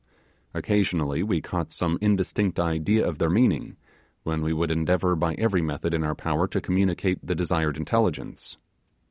Occasionally we caught some indistinct idea of their meaning, when we would endeavour by every method in our power to communicate the desired intelligence.